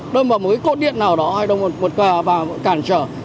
đâm vào một cái cột điện nào đó hay đâm vào một cản trở